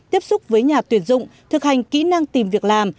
tiếp xúc với nhà tuyển dụng thực hành kỹ năng tìm việc làm